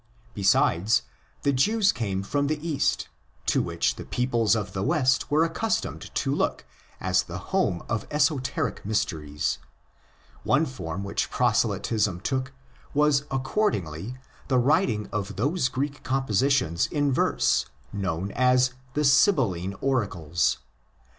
Besides, the Jews came from the Kast, to which the peoples of the West were accus tomed to look as the home of esoteric mysteries. One form which proselytism took was accordingly the writing of those Greek compositions in verse known as the Sibylline Oracles.